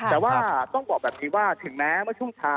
แต่ว่าต้องบอกแบบนี้ว่าถึงแม้เมื่อช่วงเช้า